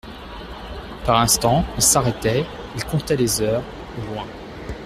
Par instants, il s'arrêtait, il comptait les heures, au loin.